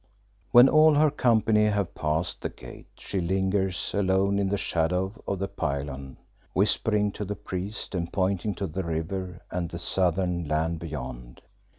When all her company have passed the gate she lingers alone in the shadow of the pylon, whispering to the priest and pointing to the river and the southern land beyond.